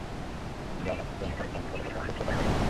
যার মানে হচ্ছে অন্য কারও সঙ্গে পদে পদে আপসরফার প্রয়োজন হবে না।